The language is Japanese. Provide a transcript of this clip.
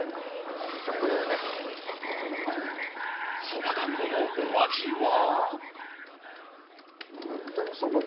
そば団子のお味は？